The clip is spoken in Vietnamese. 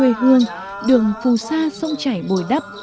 rồi là giữ được môi trường xanh và sạch